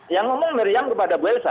yang ngomong miriam kepada bu elsa